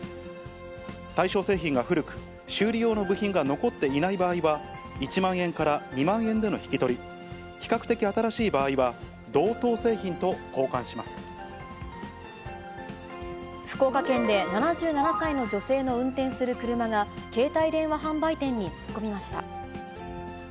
対象製品が古く、修理用の部品が残っていない場合は、１万円から２万円での引き取り、比較的新しい場合は、福岡県で７７歳の女性の運転する車が、携帯電話販売店に突っ込みました。